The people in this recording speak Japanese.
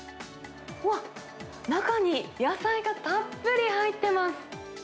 わっ、中に野菜がたっぷり入ってます。